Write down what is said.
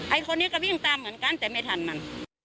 ไอคนนี้ก็วิ่งตามเหมือนกันแต่ไม่ทันมัน